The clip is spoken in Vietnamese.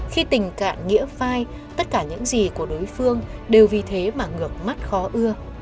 khi tình cạn nghĩa phai tất cả những gì của đối phương đều vì thế mà ngược mắt khó ưa